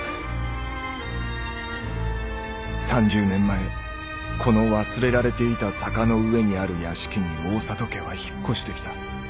３０年前この忘れられていた坂の上にある屋敷に大郷家は引っ越してきた。